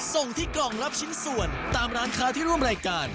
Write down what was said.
ส่งที่กล่องรับชิ้นส่วนตามร้านค้าที่ร่วมรายการ